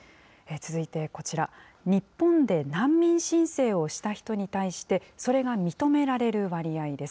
続いてこちら、日本で難民申請をした人に対して、それが認められる割合です。